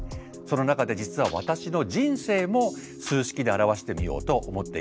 その中で実は私の人生も数式で表してみようと思っています。